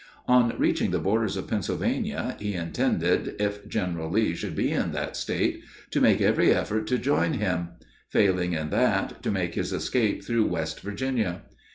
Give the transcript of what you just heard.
On reaching the borders of Pennsylvania, he intended, if General Lee should be in that State, to make every effort to join him; failing in that, to make his escape through West Virginia.